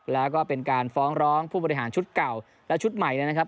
แล้วก็เป็นการฟ้องร้องผู้บริหารชุดเก่าและชุดใหม่นะครับ